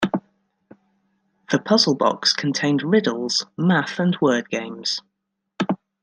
The Puzzle Box contained riddles, math and word games.